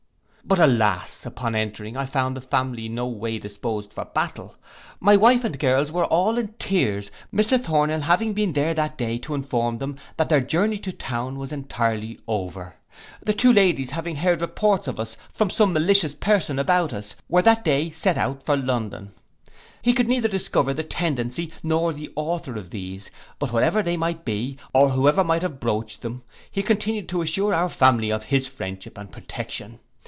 But, alas! upon entering, I found the family no way disposed for battle. My wife and girls were all in tears, Mr Thornhill having been there that day to inform them, that their journey to town was entirely over. The two ladies having heard reports of us from some malicious person about us, were that day set out for London. He could neither discover the tendency, nor the author of these, but whatever they might be, or whoever might have broached them, he continued to assure our family of his friendship and protection.